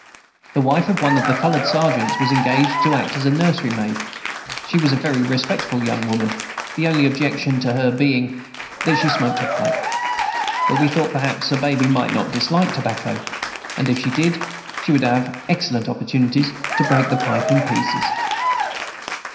The wife of one of the colored sergeants was engaged to act as nursery maid. She was a very respectable young woman; the only objection to her being that she smoked a pipe. But we thought that perhaps Baby might not dislike tobacco; and if she did, she would have excellent opportunities to break the pipe in pieces.